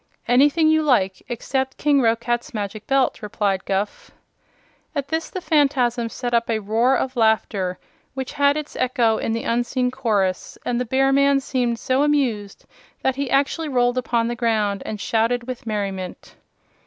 "Anything you like, except King Roquat's Magic Belt," replied Guph. At this the Phanfasm set up a roar of laughter, which had its echo in the unseen chorus, and the bear man seemed so amused that he actually rolled upon the ground and shouted with merriment.